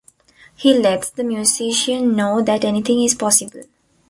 He lets the musician know that anything is possible...